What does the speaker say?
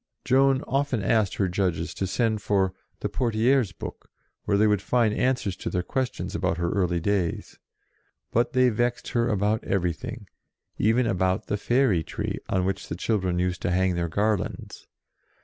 Joan often asked her judges to send for "the Poitiers book," where they would find answers to their questions about her early days ; but they vexed her about everything, even about the fairy tree, on which the children used to hang their garlands.